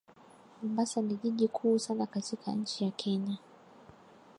Mombasa ni jiji kuu sana katika nchi ya Kenya.